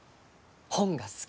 本が好き。